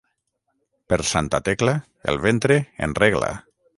Per Santa Tecla, el ventre en regla.